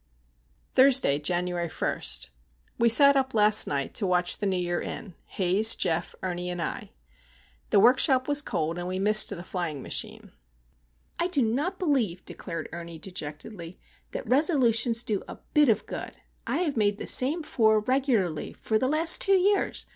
Thursday, January 1. We sat up last night to watch the New Year in,—Haze, Geof, Ernie, and I. The workshop was cold, and we missed the flying machine. "I do not believe," declared Ernie, dejectedly, "that Resolutions do a bit of good. I have made the same four regularly for the last two years.